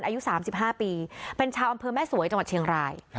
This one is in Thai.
อายุ๓๕ปีเป็นชาวอำเภอแม่สวยจังหวัดเชียงราย